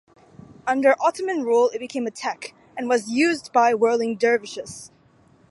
Under Ottoman rule it became a tekke and was used by whirling dervishes.